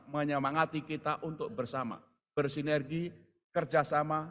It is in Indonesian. menyemangati kita untuk bersama bersinergi kerjasama